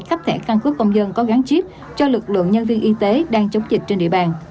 khắp thẻ căn cứ công dân có gán chip cho lực lượng nhân viên y tế đang chống dịch trên địa bàn